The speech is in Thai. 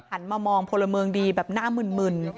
หันมามองพลเมืองดีแบบหน้ามึน